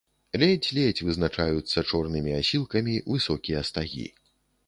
Ледзь-ледзь вызначаюцца чорнымі асілкамі высокія стагі.